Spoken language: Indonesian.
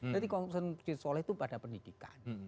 tapi konsentrasi gus solah itu pada pendidikan